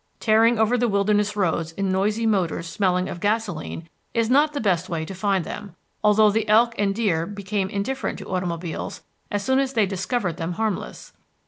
Tearing over the wilderness roads in noisy motors smelling of gasolene is not the best way to find them, although the elk and deer became indifferent to automobiles as soon as they discovered them harmless.